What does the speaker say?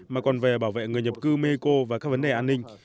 mà còn về bảo vệ người nhập cư mexico và các vấn đề an ninh